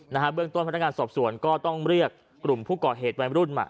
เบื้องต้นพนักงานสอบสวนก็ต้องเรียกกลุ่มผู้ก่อเหตุวัยมรุ่นมา